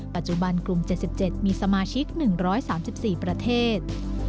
ปัจจุบันกลุ่ม๗๗มีสมาชิก๑๓๔ประเทศ